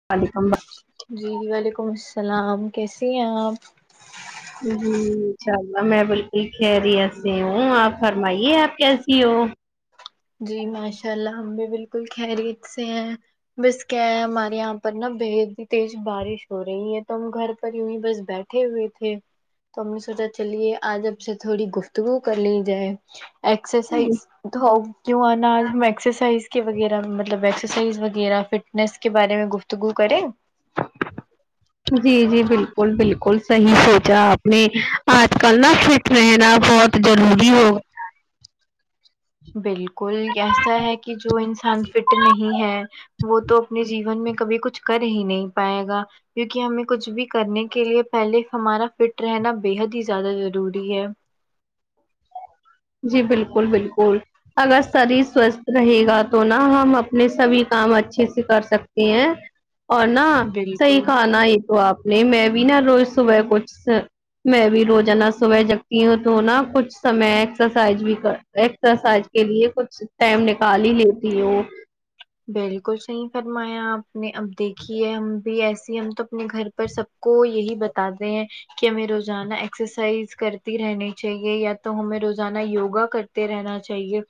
[inaudible] جی وعلیکم السلام کیسی ہیں آپ جی انشاء اللہ میں بالکل خیریت سے ہوں آپ فرمائیے آپ کیسی ہو جی ماشاء اللہ ہم بھی بالکل خریت سے ہیں بس کیا ہے ہمارے یہاں پر نہ بےد ہی تیز بارش ہو رہی ہے تو ہم گھر پر یوں ہی بس بیٹھے ہوئے تھے تو ہم نے سوچا چلیے آج اب سے تھوڑی گفتگو کر لی جائے ایکسرسائز تو کیوں نہ اج ہم ایکسرسائز کے وغیرہ مل مطلب ایکسرسائز وغیرہ فٹنس کے بارے میں گفتگو کریں جی جی بالکل بالکل صحیح سوچا آپ نہ آج کل نہا فٹ رہنا بہت ضروری ہو بالکل ایسا ہے کہ جو انسان فٹ نہیں ہے وہ تو اپنے جیون میں کبھی کچھ کر ہی نہیں پائے گا کیونکہ ہمیں کچھ بھی کرنے کے لیے پہلے ہمارا فٹ رہنا بےحد ہی زیادہ ضروری ہے جی بالکل بالکل اگر شریر سوستھ رہے گا تو نا ہم اپنے سبھی کام اچھے سے کر سکتے ہیں اور نہا صحیح بالکل کہانا یہ تو آپ نے میں بھی نا روز صبح کچھ میں بھی روزانہ صبح جگتی ہوں تو نا کچھ سمے ایکسائز بھی کر ایکسرسائز کے لیے کچھ ٹائم نکال ہی لیتی ہوں بالکل صحیح فرمایا آپ نے اب دیکھیے ہم بھی ایسی ہم تو اپنے گھر پر سب کو یہی بتاتے ہیں کہ ہمیں روزانہ ایکسرسائز کرتی رہنی چاہیے یا تو ہمیں روزانہ یوگا کر تے رہنا چاہیے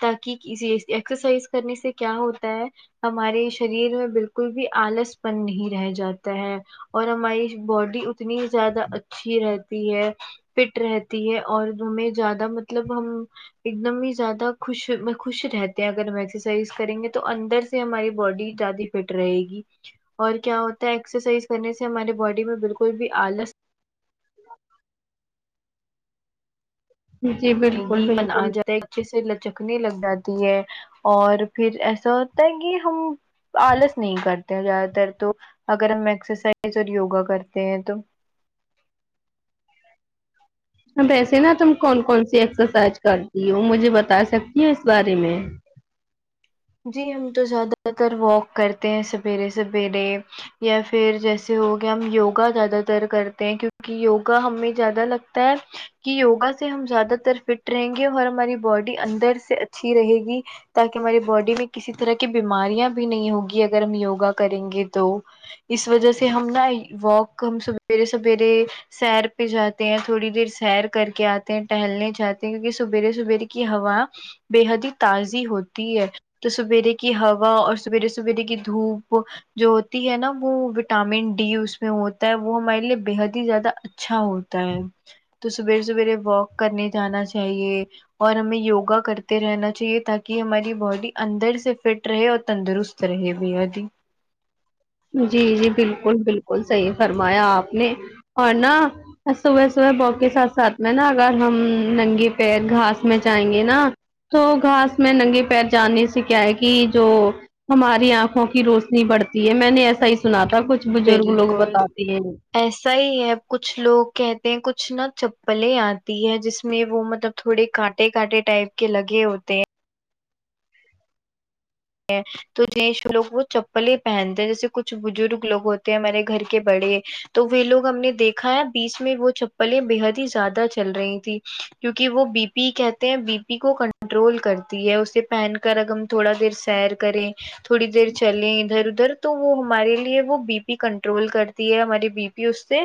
تاکہ کسی ایکسرسائز کرنے سے کیا ہو تا ہے ہمارے شریر میں بالکل بھی آلس پن نہیں رہ جاتا ہے اور ہماری باڈی اتنی ہی زیادہ اچھی رہتی ہے فٹ رہتی ہے اور ہمیں زیادہ مطلب ہم ایک دم ہی زیادہ خوش میں خوش رہتے ہیں اگر ہم ایکسرسائز کریں گے تو تو اندر سے ہماری باڈی زیادی فٹ رہے گی اور کیا ہوتا ہے ایکسرسائز کرنے سے ہمارے باڈی میں بالکل بھی آلس [inaudible] جی [inaudible] بالکل بالکل ایسے لچکنے لگ جاتی ہے اور پھر ایسا ہوتا ہے کی ہم آلس نہیں کرتے ہیں زیادہ تر تو اگر ہم ایکسرسائز اور یوگا کرتے ہیں تو ا ویسے نا تم کون کون سی ایکسرسائز کرتی ہو مجھے بتا سکتی ہو اس بارے میں جی ہم تو زیادہ تر واک کرتے ہیں سویرے سویرے یا پھر جیسے ہوگیا ہم یوگا زیادہ تر کرتے ہیں کیونکہ یوگا ہمیں زیادہ لگتا ہے کہ یوگا سے ہم زیادہ تر فٹ رہیں گے اور ہماری باڈی اندر سے اچھی رہے گی تاکہ ہماری باڈی میں کسی طرح کی بیماریاں بھی نہیں ہوگی اگر ہم یوگا کریں گے تو اس وجہ سے ہم نا واک ہم سویرے سویرے سیر پہ جاتے ہیں تھوڑی دیر سیر کر کے آتے ہیں ٹہلنے جاتے ہیں کیونکہ سبیرے سویرے کی ہوا بے حد ہی تازی ہوتی ہے تو سویرے کی ہوا اور سویرے سویرے کی دھوپ جو ہوتی ہے نا وہ وٹامن ڈی اس میں ہوتا ہے وہ ہمارے لیے بےحد ہی زیادہ اچھا ہو تا ہے تو سویر سویرے واک کرنے جانا چاہیے اور ہمیں یوگا کرتے رہنا چاہیے تاکہ ہماری باڈی اندر سے فٹ رہے اور تندرست رہے بےحد ہی جی جی بالکل بالکل صحیح فرمایا آپ نے اور نا اور صبح صبح واک کے ساتھ ساتھ میں نا اگر ہم ننگے پیر گھاس میں جائیں گے نا تو گھاس میں ننگے پیر جانے سے کیا ہے کی جو ہماری آنکھوں کی روشنی بڑھتی ہے میں نے ایسا ہی سنا تھا کچھ بزرگ لوگ بالکل بتاتے ہیں ایسا ہی ہے کچھ لوگ کہتے ہیں کچھ نا چپلیں آتی ہے جس میں وہ مطلب تھوڑے کانٹے کانٹے ٹائپ کے لگے ہوتے ہیں تو جنٹس لوگ وہ چپلیں پہنتے ہیں جیسے کچھ بزرگ لوگ ہوتے ہیں ہمارے گھر کے بڑے تو وہ لوگ ہم نے دیکھا ہے بیچ میں وہ چپلیں بےحد ہی زیادہ چل رہی تھی کیونکہ وہ بی پی کہتے ہیں بی پی کو کنٹرول کرتی ہے اسے پہن کر اگر ہم تھوڑا دیر سیر کریں تھوڑی دیر چلے ادھر ادھر تو وہ ہمارے لیے وہ بی پی کنٹرول کرتی ہے ہمارے بی پی اس سے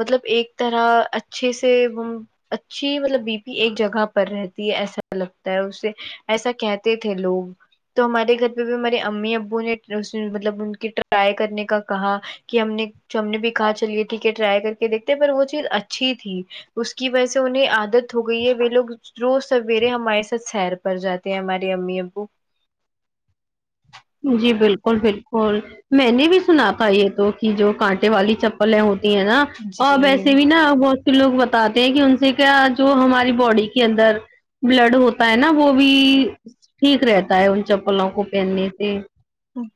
مطلب ایک طرح اچھے سے وہ اچھی مطلب بی پی ایک جگہ پر رہتی ہے ایسا لگتا ہے اسے ایسا کہتے تھے لوگ تو ہمارے گھر پہ بھی ہمارے امی ابو نے اس نے مطلب ان کی ٹرائی کرنے کا کہا کہ ہم نے جو ہم نے بھی کہا چلیے ٹھیک ہے ٹرائی کر کے دیکھتے پر وہ چیز اچھی تھی اس کی وجہ سے انہیں عادت ہو گئی ہے وہ لوگ روز سویرے ہمارے ساتھ سیر پر جاتے ہیں ہمارے امی ابو جی بالکل بالکل میں نے بھی سنا تھا یہ تو کہ جو کانٹے والی چپلیں ہوتی ہیں نا اور جی ویسے بھی نا بہت سے لوگ بتاتے ہیں کہ ان سے کیا جو ہماری باڈی کے اندر بلڈ ہوتا ہے نا وہ بھی ٹھیک رہتا ہے ان چپلوں کو پہننے سے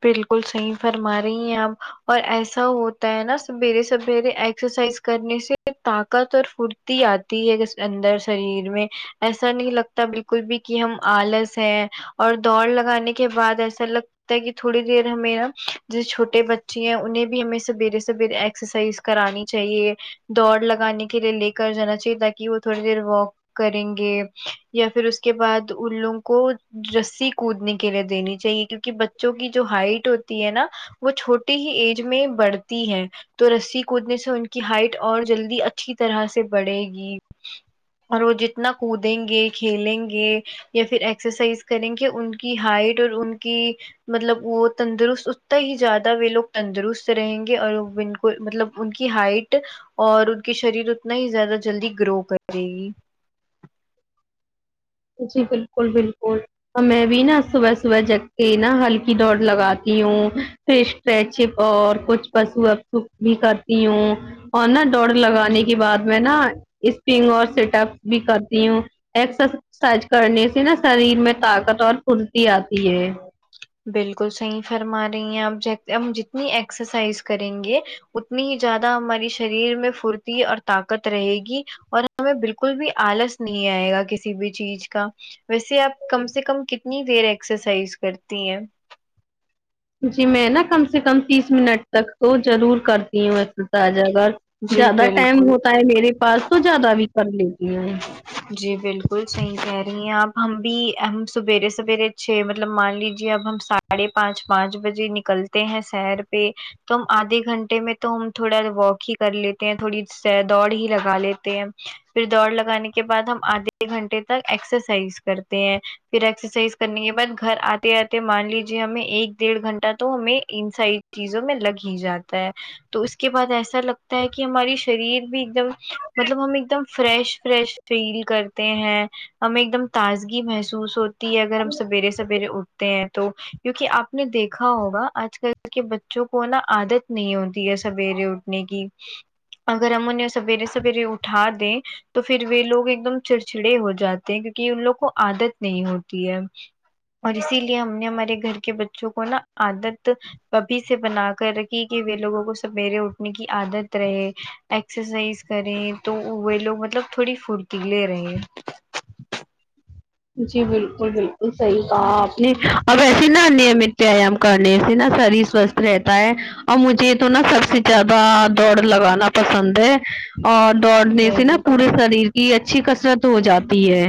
بالکل صحیح فرما رہی ہیں آپ اور ایسا ہوتا ہے نا سویرے سویرے ایکسرسائز کرنے سے طاقت اور پھرتی آتی ہے اندر شریر میں ایسا نہیں لگ تا بالکل بھی کہ ہم آلس ہیں اور دوڑ لگانے کے بعد ایسا لگ کہ تھوڑی دیر ہمیں نا جو چھوٹے بچے ہیں انہیں بھی ہمیں سویرے سویرے ایکسرسائز کرانی چاہیے دوڑ لگانے کے لیے لے کر جانا چاہیے تاکہ وہ تھوڑی دیر واک کریں گے یا پھر اس کے بعد ان لوگوں کو رسی کودنے کے لیے دینی چاہیے کیونکہ بچوں کی جو ہائٹ ہوتی ہے نا وہ چھوٹی ہی ایج میں بڑھتی ہے تو رسی کودنے سے ان کی ہائٹ اور جلدی اچھی طرح سے بڑھے گی اور وہ جتنا کودیں گے کھیلیں گے یا پھر ایکسرسائز کریں گے ان کی ہائٹ اور ان کی مطلب وہ تندرست اتنا ہی زیادہ وہ لوگ تندرست رہیں گے اور وہ بل کل مطلب ان کی ہائٹ اور ان کی شریر اتنا ہی زیادہ جلدی گرو کردے گی جی بالکل بالکل تو میں بھی نا صبح صبح جگتے نا ہلکی دوڑ لگاتی ہوں فشچپ اور کچھ پش اپ بھی کرتی ہوں اور نا دوڑ لگانے کی جی بعد میں نا اسپنگ اور سیٹ اپ بھی کرتی ہوں ایکسر سائز کرنے سے نا شریر میں طاقت اور پھرتی آتی ہے بالکل صحیح فرما رہی ہیں آپ جت ہم جتنی ایکسرسائز کریں گے اتنی ہی زیادہ ہماری شریر میں پھرتی اور طاقت رہے گی اور ہمیں بالکل بھی آلس نہیں آئے گا کسی بھی چیز کا ویسے آپ کم سے کم کتنی دیر ایکسرسائز کرتی ہیں جی میں نا کم سے کم تیس منٹ تک تو ضرور کرتی ہوں ایکسرسائز اگر جی زیادہ ٹائم بالکل ہوتا ہے میرے پاس تو زیادہ بھی کر لیتی ہے جی بالکل صحیح کہہ رہی ہیں اپ ہم بھی ہم سویرے سویرے چھ مطلب مان لیجیے اب ہم سات ساڑھے پانچ پانچ بجے نکلتے ہیں سیر پہ تو ہم آدھے گھنٹے میں تو ہم تھوڑا واک ہی کر لیتے ہیں تھوڑی س دوڑ ہی لگا لیتے ہیں پھر دوڑ لگانے کے بعد ہم آدھے گھنٹے تک ایکسرسائز کرتے ہیں پھر ایکسرسائز کرنے کے بعد گھر آتے آتے مان لیجے ہمیں ایک ڈیڑھ گھنٹہ تو ہمیں انسائیڈ چیزوں میں لگ ہی جاتا ہے تو اس کے بعد ایسا لگتا ہے کہ ہماری شریر بھی ایک دم مطلب ہم ایک دم فریش فریش فیل کرتے ہیں ہمیں ایک دم تازگی محسوس ہو تی ہے اگر ہم سویرے سویرے اٹھ تے ہیں تو کیونکہ آپ نے دیکھا ہوگا آج کل کے بچوں کو نا عادت نہیں ہوتی ہے سویرے اٹھ نے کی اگر ہم انھیں سویرے سویرے اٹھا دیں تو پھر وہ لوگ ایک دم چھڑچھڑے ہو جاتے ہیں کیونکہ ان لوگ کو عادت نہیں ہوتی ہے اور اسی لیے ہم نے ہمارے گھر کے بچوں کو نا عادت ابھی سے بنا کر رکھی کہ وہ لوگوں کو سویرے اٹھنے کی عادت رہے ایکسرسائز کریں تو وے لوگ مطلب تھوڑی پھرتیلے رہیں جی بالکل بالکل صحیح کہا آپ نے اب ویسے نہ وتیام کرنے سے نا شریر سوتھ رہتا ہے اور مجھے تو نا سب سے زیادہ دوڑ لگانا پسند ہے اور دوڑنے سے نا پورے بالکل شریر کی اچھی کثرت ہو جاتی ہے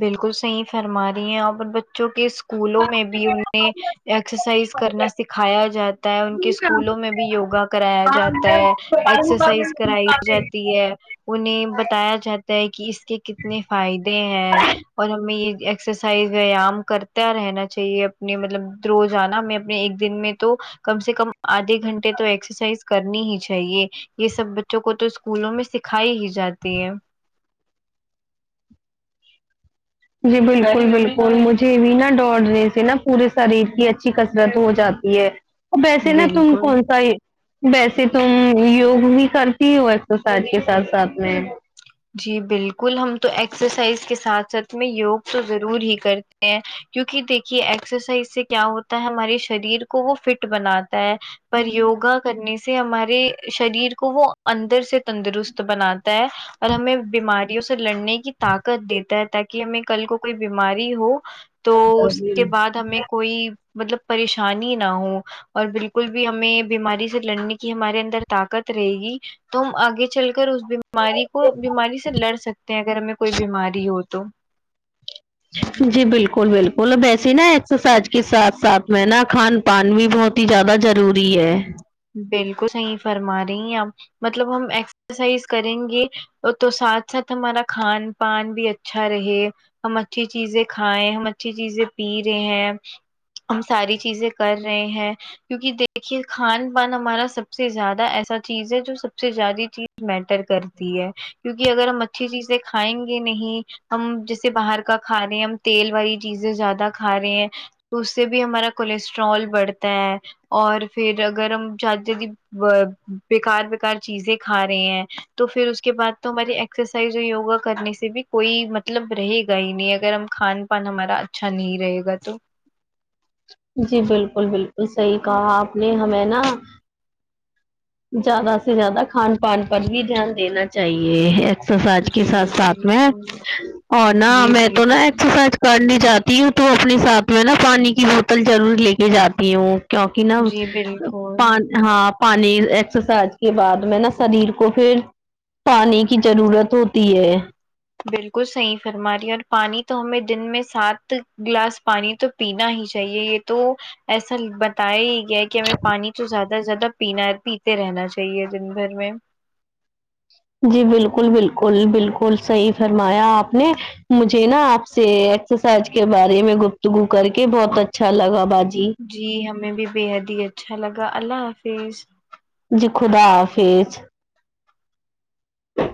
بالکل صحیح فرما رہی ہیں اور بچوں کے اسکولوں میں بھی انہیں ایکسرسائز کرنا سکھایا جاتا ہے ان کے اسکولوں میں بھی یوگا کرایا جاتا ہے ایکسرسائز کرائی جاتی ہے انہیں بتایا جاتا ہے کہ اس کے کتنے فائدے ہیں اور ہمیں یہ ایکسرسائز ویام کرتا رہنا چاہیے اپنے مطلب روزآنا میں ہمیں ایک دن میں تو کم سے کم آدھے گھنٹے تو ایکسرسائز کرنی ہی چاہیے یہ سب بچوں کو تو اسکولوں میں سکھائی ہی جاتی ہے جی بالکل بالکل مجھے بھی نا دوڑنے سے نا پورے شریر کی اچھی کسرت ہو جا ہے ویسے نا تم بالکل کون سا ہی ویسے تم یوگ بھی کرتی ہو ایکسرسائز کے ساتھ ساتھ میں جی بالکل ہم تو ایکسرسائز کے ساتھ ساتھ میں یوگ تو ضرور ہی کر تے ہیں کیونکہ دیکھیے ایکسرسائز سے کیا ہوتا ہے ہمارے شریر کو وہ فٹ بنا تا ہے پر یوگا کرنے سے ہمارے شریر کو وہ اندر سے تندرست بناتا ہے اور ہمیں بیما ریوں سے لڑنے کی طاقت دیتا ہے تاکہ ہمیں کل کو کوئی بیماری ہو تو اس کے بعد ہمیں کوئی مطلب پریشانی نہ ہو اور بالکل بھی ہمیں بیماری سے لڑنے کی ہمارے اندر طاقت رہے گی تم آگے چل کر اس بیماری وہ بیماری سے لڑ سکتے ہیں اگر ہمیں کوئی بیماری ہو تو جی بالکل بالکل ویسے نا ایکسرسائز کے ساتھ ساتھ میں نا کھان پان بھی بہت ہی زیادہ ضروری ہے بالکل صحیح فرما رہی ہیں آپ مطلب ہم اکس اسائز کریں گے تو ساتھ ساتھ ہمارا کھان پان بھی اچھا رہے ہم اچھی چیزیں کھائیں ہم اچھی چیزیں پی رہے ہیں ہم ساری چیزیں کر رہے ہیں کیونکہ دیکھیے کھان پان ہمارا سب سے زیادہ ایسا چیز ہے جو سب سے زیادی چیز میٹر کرتی ہے کیونکہ اگر ہم اچھی چیزیں کھائیں گے نہیں ہم جیسے باہر کا کھا رہے ہیں ہم تیل والی چیزیں زیادہ کھا رہے ہیں تو اس سے بھی ہمارا کولیسٹرول بڑھتا ہے اور پھر اگر ہم چاہتے ہیں کے با بےکار بے کار چیزیں کھا رہے ہیں تو پھر اس کے بعد تو ہمارے ایکسرسائز اور یوگا کرنے سے بھی کوئی مطلب رہے گا ہی نہیں اگر ہم کھان پان ہمارا اچھا نہیں رہے گا تو جی بالکل بالکل صحیح کہا آپ نے ہمیں نا زیادہ سے زیادہ کھان پان پر بھی دھیان دینا چاہیے ایکسرسائز کے جی ساتھ ساتھ میں بالکل اور نہ جی ہمیں تو نہ بالکل ایکسرسائز کرنے جاتی ہوں تو اپنے ساتھ میں نا پانی کی بوتل ضرور لے کے جاتی ہوں کیونکہ نہ جی بالکل پان ہاں پانی ایکسرسائز کے بعد میں نا شریر کو پھر پانی کی ضرورت ہوتی ہے بالکل صحیح فرمارہی اور پانی تو ہمیں دن میں سات گلاس پانی تو پینا ہی چاہیے یہ تو ایسا بتائی گیا ہے کہ ہمیں پانی تو زیادہ سے زیادہ پینا ہے پیتے رہنا چاہیے دن بھر میں جی بالکل بالکل بالکل صحیح فرمایا آپ نے مجھے نا آپ سے ایکسرسائز کے بارے میں گفتگو کر کے بہت اچھا لگا باجی جی ہمیں بھی بےحد ہی اچھا لگا اللہ حافظ جی خدا حافظ